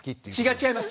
違います。